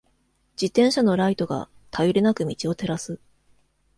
自転車のライトが、頼りなく道を照らす。